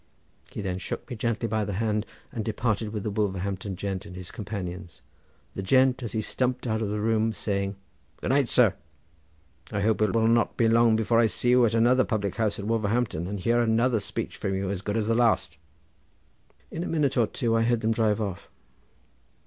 He then shook me gently by the hand and departed with the Wolverhampton gent and his companions; the gent as he stumped out of the room saying, "Good night, sir; I hope it will not be long before I see you at another public dinner at Wolverhampton, and hear another speech from you as good as the last." In a minute or two I heard them drive off.